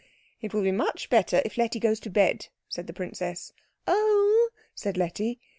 "It will be much better if Letty goes to bed," said the princess. "Oh!" said Letty.